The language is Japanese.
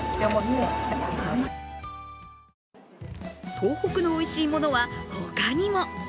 東北のおいしいものは他にも。